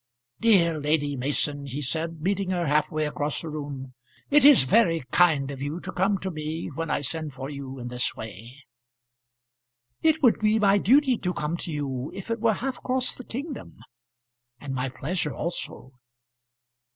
"Dear Lady Mason," he said, meeting her half way across the room, "it is very kind of you to come to me when I send for you in this way." "It would be my duty to come to you, if it were half across the kingdom; and my pleasure also."